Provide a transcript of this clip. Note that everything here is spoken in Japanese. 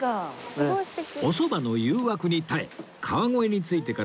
お蕎麦の誘惑に耐え川越に着いてから４０分。